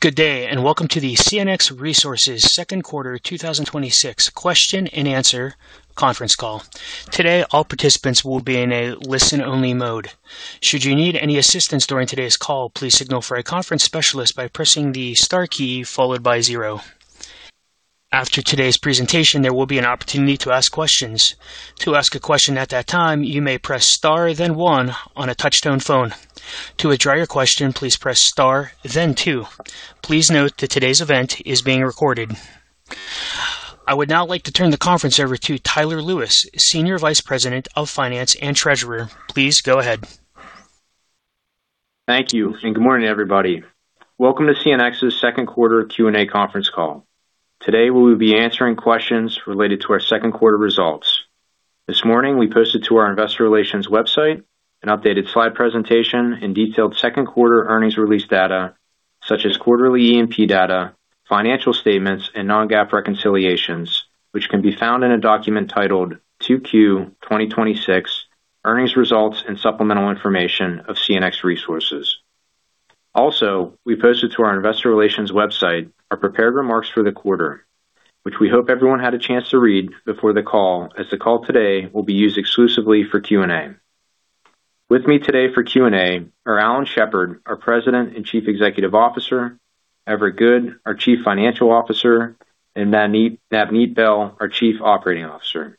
Good day, welcome to the CNX Resources second quarter 2026 question and answer conference call. Today, all participants will be in a listen-only mode. Should you need any assistance during today's call, please signal for a conference specialist by pressing the star key followed by zero. After today's presentation, there will be an opportunity to ask questions. To ask a question at that time, you may press star then one on a touch-tone phone. To withdraw your question, please press star then two. Please note that today's event is being recorded. I would now like to turn the conference over to Tyler Lewis, Senior Vice President of Finance and Treasurer. Please go ahead. Thank you, good morning, everybody. Welcome to CNX's second quarter Q&A conference call. Today, we will be answering questions related to our second quarter results. This morning, we posted to our investor relations website an updated slide presentation and detailed second quarter earnings release data, such as quarterly E&P data, financial statements, and non-GAAP reconciliations, which can be found in a document titled Second Quarter 2026 earnings results and supplemental information of CNX Resources. We posted to our investor relations website our prepared remarks for the quarter, which we hope everyone had a chance to read before the call, as the call today will be used exclusively for Q&A. With me today for Q&A are Alan Shepard, our President and Chief Executive Officer, Everett Good, our Chief Financial Officer, and Navneet Behl, our Chief Operating Officer.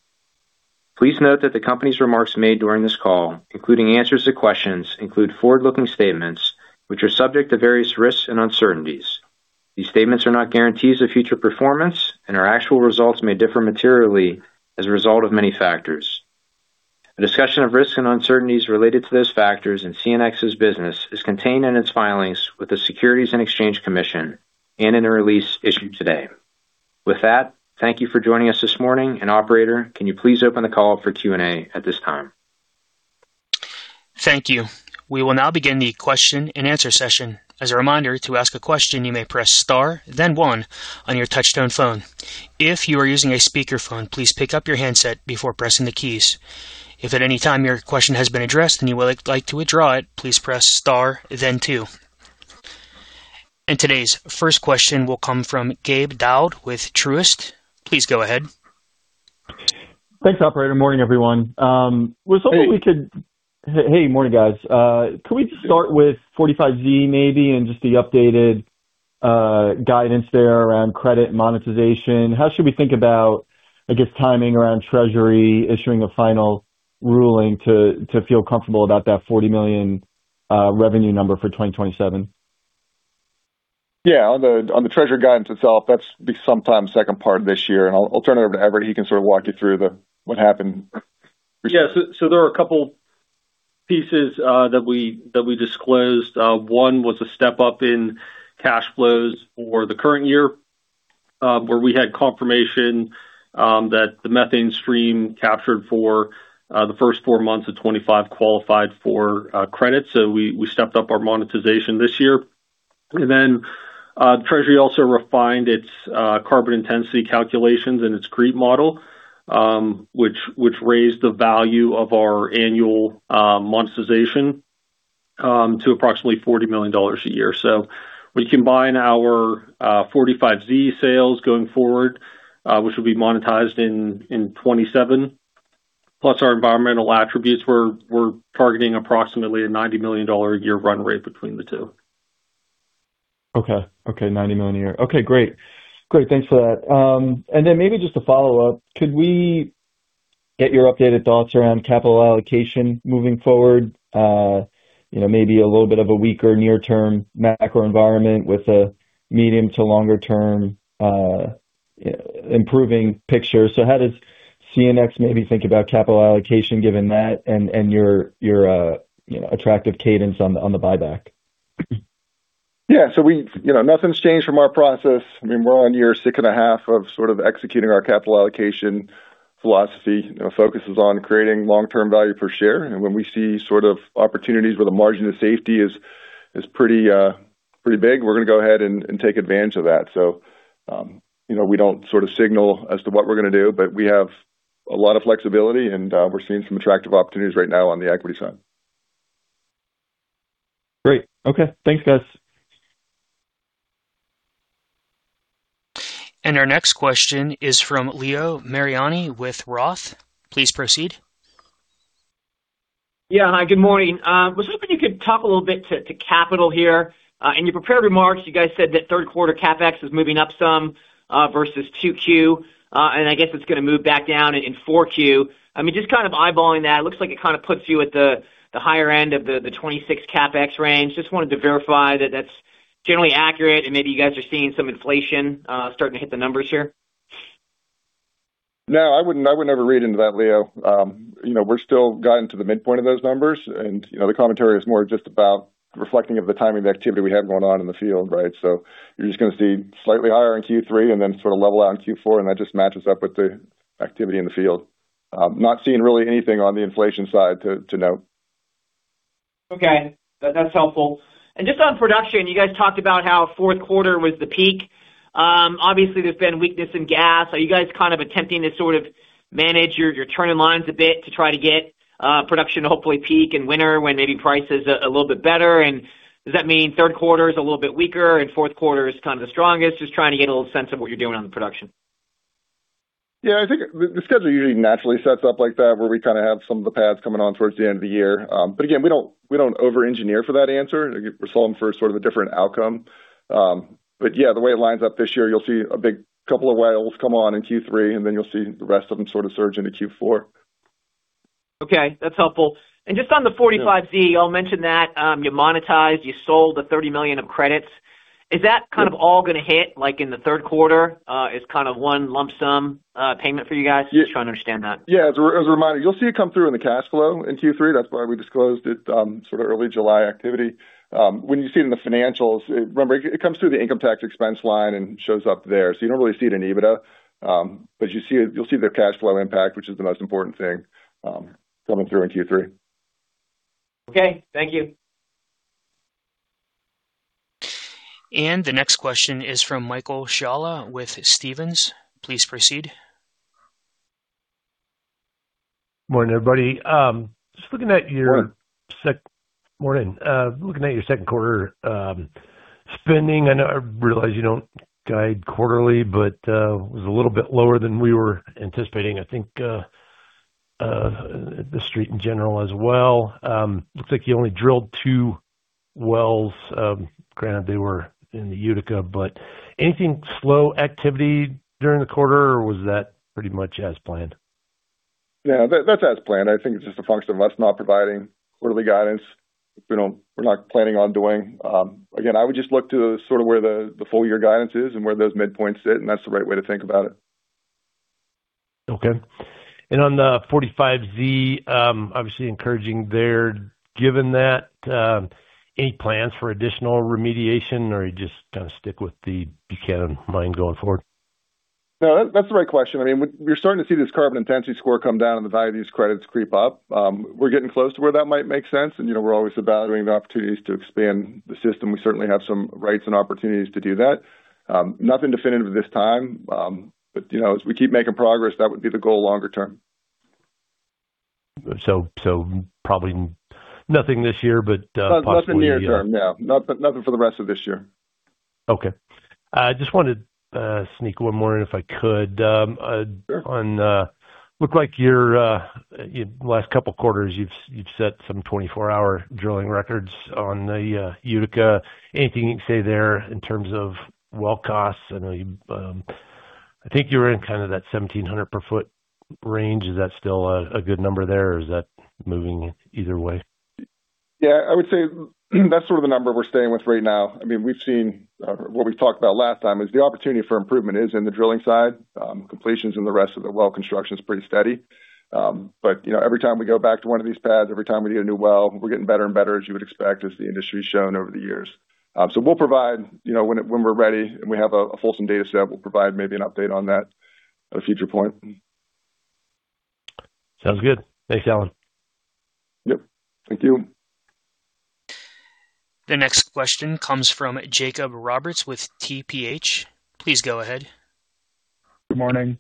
Please note that the company's remarks made during this call, including answers to questions, include forward-looking statements, which are subject to various risks and uncertainties. These statements are not guarantees of future performance and our actual results may differ materially as a result of many factors. A discussion of risks and uncertainties related to those factors in CNX's business is contained in its filings with the Securities and Exchange Commission and in a release issued today. Thank you for joining us this morning, operator, can you please open the call for Q&A at this time? Thank you. We will now begin the question and answer session. As a reminder, to ask a question, you may press star then one on your touch-tone phone. If you are using a speakerphone, please pick up your handset before pressing the keys. If at any time your question has been addressed and you would like to withdraw it, please press star then two. Today's first question will come from Gabe Daoud with Truist. Please go ahead. Thanks, operator. Morning, everyone. Hey. Hey. Morning, guys. Can we just start with 45Z maybe and just the updated guidance there around credit monetization? How should we think about, I guess, timing around Treasury issuing a final ruling to feel comfortable about that $40 million revenue number for 2027? Yeah. On the Treasury guidance itself, that's be sometime second part of this year. I'll turn it over to Everett. He can sort of walk you through what happened recently. Yeah. There are a couple pieces that we disclosed. One was a step-up in cash flows for the current year, where we had confirmation that the methane stream captured for the first four months of 2025 qualified for credit. We stepped up our monetization this year. Treasury also refined its carbon intensity calculations and its GREET model, which raised the value of our annual monetization to approximately $40 million a year. We combine our 45Z sales going forward, which will be monetized in 2027, plus our environmental attributes. We're targeting approximately a $90 million a year run rate between the two. Okay. $90 million a year. Okay, great. Thanks for that. Maybe just a follow-up. Could we get your updated thoughts around capital allocation moving forward? Maybe a little bit of a weaker near term macro environment with a medium to longer term improving picture. How does CNX maybe think about capital allocation given that and your attractive cadence on the buyback? Yeah. Nothing's changed from our process. We're on year six and a half of sort of executing our capital allocation philosophy. Our focus is on creating long-term value per share. When we see sort of opportunities where the margin of safety is pretty big, we're going to go ahead and take advantage of that. We don't sort of signal as to what we're going to do, but we have a lot of flexibility, and we're seeing some attractive opportunities right now on the equity side. Great. Okay. Thanks, guys. Our next question is from Leo Mariani with Roth. Please proceed. Yeah. Hi, good morning. I was hoping you could talk a little bit to capital here. In your prepared remarks, you guys said that third quarter CapEx is moving up some versus 2Q, I guess it's going to move back down in 4Q. Just kind of eyeballing that, it looks like it kind of puts you at the higher end of the 2026 CapEx range. Just wanted to verify that that's generally accurate and maybe you guys are seeing some inflation starting to hit the numbers here. No, I would never read into that, Leo. We're still gotten to the midpoint of those numbers, the commentary is more just about reflecting of the timing of the activity we have going on in the field, right? You're just going to see slightly higher in Q3 and then sort of level out in Q4, and that just matches up with the activity in the field. Not seeing really anything on the inflation side to note. Okay. That's helpful. Just on production, you guys talked about how fourth quarter was the peak. Obviously, there's been weakness in gas. Are you guys attempting to sort of manage your turning lines a bit to try to get production to hopefully peak in winter when maybe price is a little bit better? Does that mean third quarter is a little bit weaker and fourth quarter is kind of the strongest? Just trying to get a little sense of what you're doing on the production. Yeah, I think the schedule usually naturally sets up like that, where we kind of have some of the pads coming on towards the end of the year. Again, we don't over-engineer for that answer. We're solving for sort of a different outcome. Yeah, the way it lines up this year, you'll see a big couple of wells come on in Q3, and then you'll see the rest of them sort of surge into Q4. Okay, that's helpful. Just on the 45Z, y'all mentioned that you monetized, you sold the 30 million of credits. Is that kind of all going to hit, like in the third quarter as kind of one lump sum payment for you guys? Just trying to understand that. Yeah. As a reminder, you'll see it come through in the cash flow in Q3. That's why we disclosed it sort of early July activity. When you see it in the financials, remember, it comes through the income tax expense line and shows up there. You don't really see it in EBITDA. You'll see the cash flow impact, which is the most important thing, coming through in Q3. Okay. Thank you. The next question is from Michael Scialla with Stephens. Please proceed. Morning, everybody. Morning. Just looking at your second quarter spending. I realize you don't guide quarterly, it was a little bit lower than we were anticipating, I think, the Street in general as well. Looks like you only drilled two wells. Granted, they were in the Utica. Anything slow activity during the quarter, or was that pretty much as planned? Yeah, that's as planned. I think it's just a function of us not providing quarterly guidance. We're not planning on doing again, I would just look to sort of where the full year guidance is and where those midpoints sit, that's the right way to think about it. On the 45Z, obviously encouraging there, given that. Any plans for additional remediation, or are you just going to stick with the Buchanan Mine going forward? No, that's the right question. We're starting to see this carbon intensity score come down and the value of these credits creep up. We're getting close to where that might make sense, and we're always evaluating the opportunities to expand the system. We certainly have some rights and opportunities to do that. Nothing definitive at this time. As we keep making progress, that would be the goal longer term. Probably nothing this year, but possibly. Nothing near term, no. Nothing for the rest of this year. Okay. I just wanted to sneak one more in if I could. Sure. It looks like your last couple quarters, you've set some 24-hour drilling records on the Utica. Anything you can say there in terms of well costs? I think you were in kind of that $1,700/ft range. Is that still a good number there, or is that moving either way? Yeah, I would say that's sort of the number we're staying with right now. We've seen what we've talked about last time, is the opportunity for improvement is in the drilling side. Completions and the rest of the well construction's pretty steady. Every time we go back to one of these pads, every time we hit a new well, we're getting better and better, as you would expect, as the industry's shown over the years. We'll provide, when we're ready and we have a fulsome data set, we'll provide maybe an update on that at a future point. Sounds good. Thanks, Alan. Yep. Thank you. The next question comes from Jacob Roberts with TPH. Please go ahead. Good morning.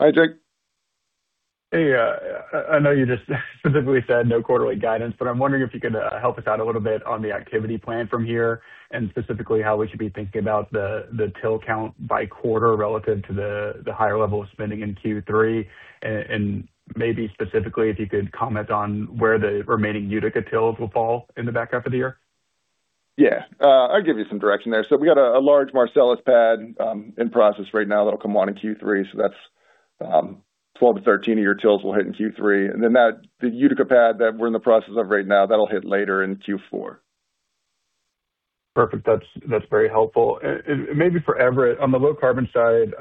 Hi, Jake. Hey. I know you just specifically said no quarterly guidance, but I'm wondering if you could help us out a little bit on the activity plan from here, and specifically how we should be thinking about the till count by quarter relative to the higher level of spending in Q3. Maybe specifically, if you could comment on where the remaining Utica tills will fall in the back half of the year. Yeah. I'll give you some direction there. We got a large Marcellus pad in process right now that'll come on in Q3. That's 12 to 13 a year tills we'll hit in Q3. The Utica pad that we're in the process of right now, that'll hit later in Q4. Perfect. That's very helpful. Maybe for Everett, on the low carbon side,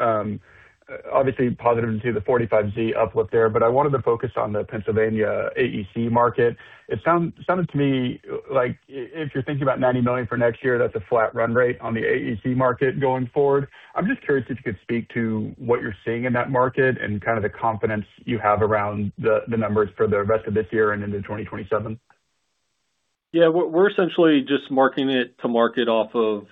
obviously positive to see the 45Z uplift there, but I wanted to focus on the Pennsylvania AEC market. It sounded to me like if you're thinking about $90 million for next year, that's a flat run rate on the AEC market going forward. I'm just curious if you could speak to what you're seeing in that market and kind of the confidence you have around the numbers for the rest of this year and into 2027. Yeah. We're essentially just marking it to market off of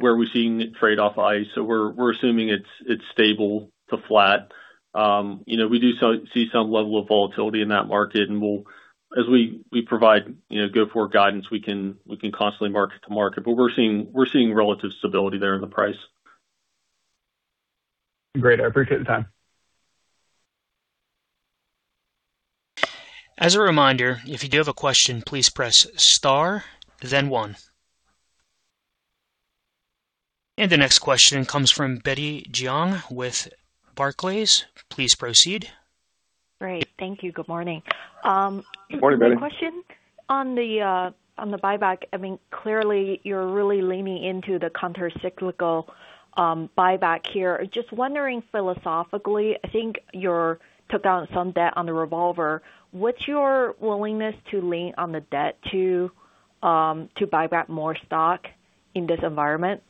where we're seeing it trade off ICE. We're assuming it's stable to flat. We do see some level of volatility in that market, and as we provide go forward guidance, we can constantly mark it to market. We're seeing relative stability there in the price. Great. I appreciate the time. As a reminder, if you do have a question, please press star then one. The next question comes from Betty Jiang with Barclays. Please proceed. Great. Thank you. Good morning. Good morning, Betty. A question on the buyback. Clearly, you're really leaning into the counter cyclical buyback here. Just wondering philosophically, I think you took on some debt on the revolver. What's your willingness to lean on the debt to buy back more stock in this environment?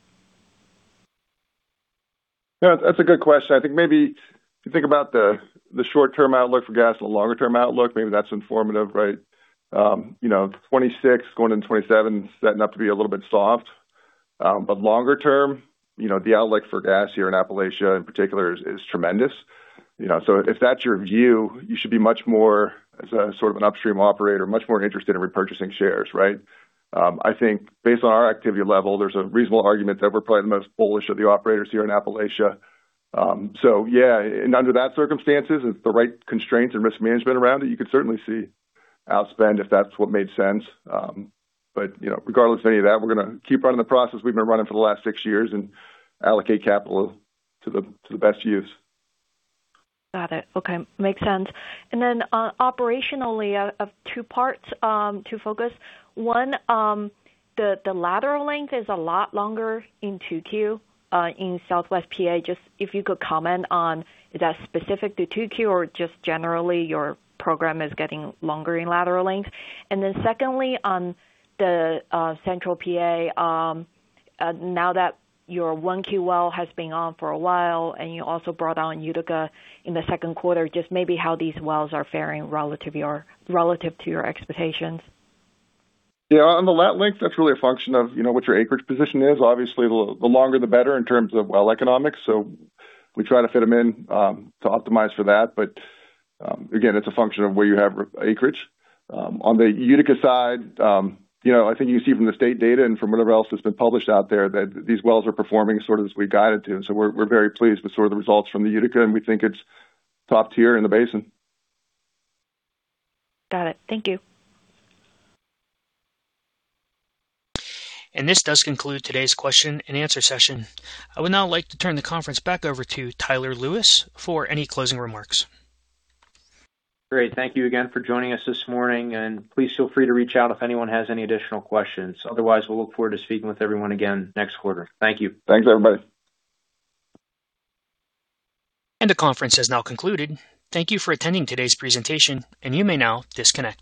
Yeah, that's a good question. I think maybe if you think about the short-term outlook for gas and the longer-term outlook, maybe that's informative, right? 2026 going into 2027 is setting up to be a little bit soft. Longer term, the outlook for gas here in Appalachia in particular is tremendous. If that's your view, you should be much more as a sort of an upstream operator, much more interested in repurchasing shares, right? I think based on our activity level, there's a reasonable argument that we're probably the most bullish of the operators here in Appalachia. Under that circumstances, if the right constraints and risk management around it, you could certainly see outspend if that's what made sense. Regardless of any of that, we're going to keep running the process we've been running for the last six years and allocate capital to the best use. Got it. Okay. Makes sense. Operationally, of two parts to focus. One, the lateral length is a lot longer in 2Q in Southwest P.A. Just if you could comment on is that specific to 2Q or just generally your program is getting longer in lateral length? Secondly, on the Central P.A., now that your 1Q well has been on for a while, you also brought on Utica in the second quarter, just maybe how these wells are faring relative to your expectations. Yeah. On the lat length, that's really a function of what your acreage position is. Obviously, the longer the better in terms of well economics. We try to fit them in to optimize for that. Again, it's a function of where you have acreage. On the Utica side, I think you see from the state data and from whatever else that's been published out there that these wells are performing sort of as we guided to. We're very pleased with sort of the results from the Utica, and we think it's top tier in the basin. Got it. Thank you. This does conclude today's question and answer session. I would now like to turn the conference back over to Tyler Lewis for any closing remarks. Great. Thank you again for joining us this morning, and please feel free to reach out if anyone has any additional questions. Otherwise, we'll look forward to speaking with everyone again next quarter. Thank you. Thanks, everybody. The conference has now concluded. Thank you for attending today's presentation, and you may now disconnect.